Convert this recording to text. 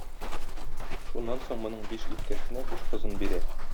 Шуннан соң моның биш иптәшенә биш кызын бирә.